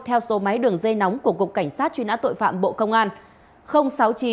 theo số máy đường dây nóng của cục cảnh sát truy nã tội phạm bộ công an